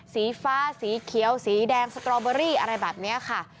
สีฟ้าสีเขียวสีแดงสตรอเบอรี่อะไรแบบนี้ค่ะ